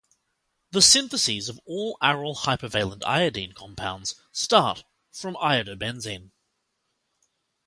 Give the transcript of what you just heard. The syntheses of all aryl hypervalent iodine compounds start from iodobenzene.